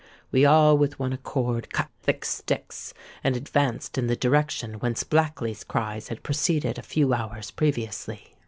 We all with one accord cut thick sticks, and advanced in the direction whence Blackley's cries had proceeded a few hours previously.